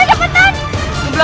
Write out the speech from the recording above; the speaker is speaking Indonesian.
iya aku tahu kok